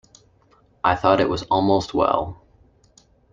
I thought it was almost well.